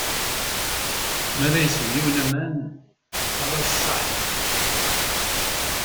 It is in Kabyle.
Mi ara isew yiwen aman, neqqar-as ṣaḥ.